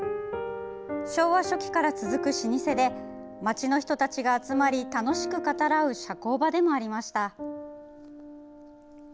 昭和初期から続く老舗で町の人たちが集まり楽しく語らう社交場でもありました。